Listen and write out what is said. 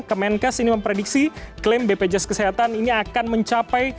kemenkes ini memprediksi klaim bpjs kesehatan ini akan mencapai